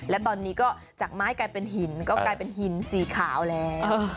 และตอนนี้ก็จากไม้กลายเป็นหินก็กลายเป็นหินสีขาวแล้ว